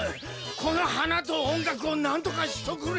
このはなとおんがくをなんとかしとくれ！